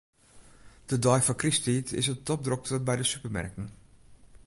De dei foar krysttiid is it topdrokte by de supermerken.